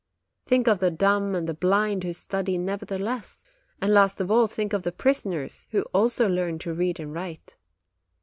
Think of the dumb and the blind who study, nevertheless ; and last of all, think of the prisoners, who also learn to read and write.